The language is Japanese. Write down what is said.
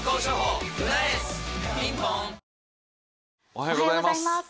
おはようございます。